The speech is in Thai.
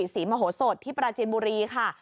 ศรีมโหสดที่ปราจินบุรีค่ะ